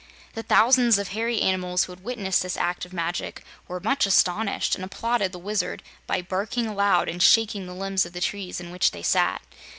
The thousands of hairy animals who had witnessed this act of magic were much astonished and applauded the Wizard by barking aloud and shaking the limbs of the trees in which they sat.